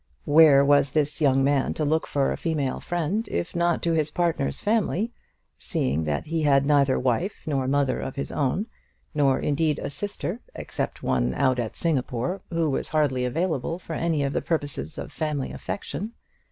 Where was this young man to look for a female friend if not to his partner's family, seeing that he had neither wife nor mother of his own, nor indeed a sister, except one out at Singapore, who was hardly available for any of the purposes of family affection?